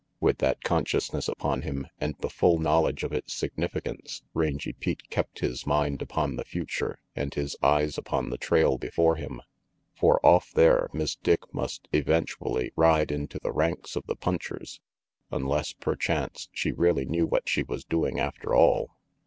With that consciousness upon him, and the full knowledge of its significance, Rangy Pete kept his mind upon the future and his eyes upon the trail before him. For off there Miss Dick must eventually ride into the ranks of the punchers, unless, per chance, she really knew what she was doing after all.